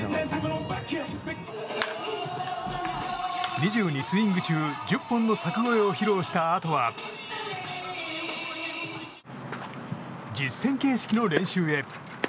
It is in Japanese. ２２スイング中１０本の柵越えを披露したあとは実戦形式の練習へ。